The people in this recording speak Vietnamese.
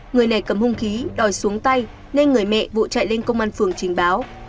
người này cầm hung khí đòi xuống tay nên người mẹ vụ chạy lên công an phường trình báo